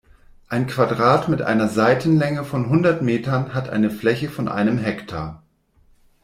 Ein Quadrat mit einer Seitenlänge von hundert Metern hat eine Fläche von einem Hektar.